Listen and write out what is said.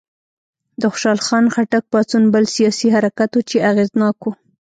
د خوشحال خان خټک پاڅون بل سیاسي حرکت و چې اغېزناک و.